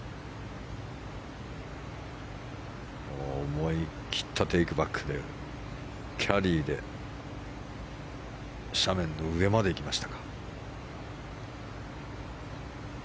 思い切ったテイクバックでキャリーで斜面の上まで行きましたか。